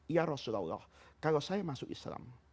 ya rasulullah kalau saya masuk islam